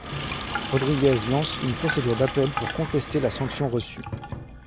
Rodriguez lance une procédure d'appel pour contester la sanction reçue.